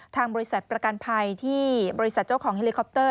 ทางบริษัทประกันภัยที่บริษัทเจ้าของเฮลิคอปเตอร์